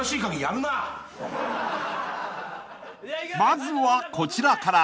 ［まずはこちらから］